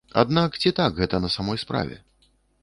Аднак ці так гэта на самой справе?